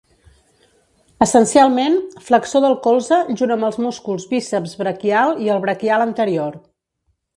Essencialment flexor del colze junt amb els músculs bíceps braquial i el braquial anterior.